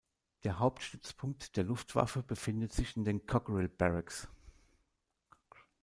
Der Hauptstützpunkt der Luftwaffe befindet sich in den "Cockerill Barracks".